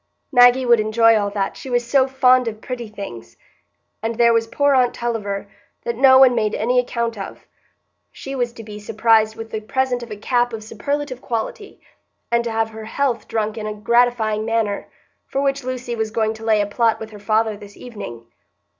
Maggie would enjoy all that, she was so found of pretty things! And there was poor aunt Tulliver, that no one made any account of, she was to be surprised with the present of a cap of superlative quality, and to have her health drunk in a gratifying manner, for which Lucy was going to lay a plot with her father this evening.